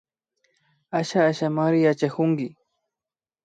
Asha Ashamari yachakunki